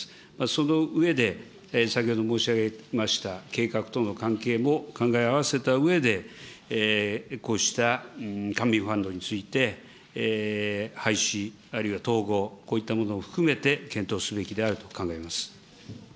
その上で、先ほど申し上げました計画との関係も考え合わせたうえで、こうした官民ファンドについて廃止、あるいは統合、こういったものを含めて検討すべきであると考えます。